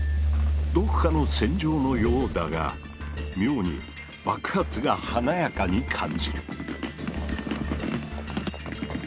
どこかの戦場のようだが妙に爆発が華やかに感じる。